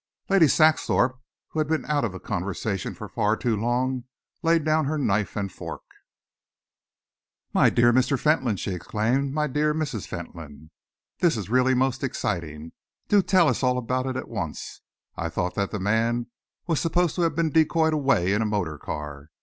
Lady Saxthorpe, who had been out of the conversation for far too long, laid down her knife and fork. "My dear Mr. Fentolin!" she exclaimed. "My dear Mrs. Fentolin! This is really most exciting! Do tell us all about it at once. I thought that the man was supposed to have been decoyed away in a motor car.